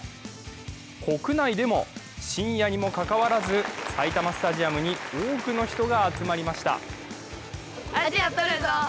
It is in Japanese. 国内でも、深夜にもかかわらず、埼玉スタジアムに多くの人が集まりました。